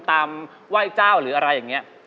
ไหว้เจ้าหรืออะไรอย่างนี้